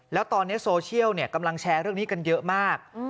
แล้วตอนนี้โซเชียลกำลังแชร์เรื่องนี้กันเยอะมาก